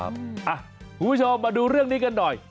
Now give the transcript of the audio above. คุณผู้ชมมาดูเรื่องนี้กันหน่อย